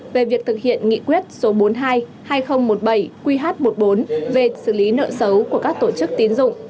về việc thực hiện nghị quyết số bốn mươi hai hai nghìn một mươi bảy qh một mươi bốn về xử lý nợ xấu của các tổ chức tiến dụng